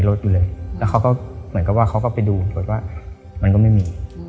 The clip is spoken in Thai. แล้วเขาก็เหมือนกับว่าเขาก็ไปดูบอกว่ามันก็ไม่มี